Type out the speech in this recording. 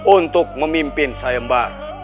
untuk memimpin sayembara